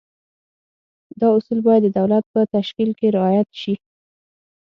دا اصول باید د دولت په تشکیل کې رعایت شي.